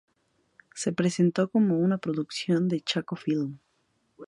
Se presentó como una producción de Chaco Film.